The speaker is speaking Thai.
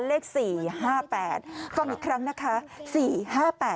เลข๔๕๘ฟังอีกครั้งนะคะ